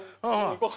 行こう。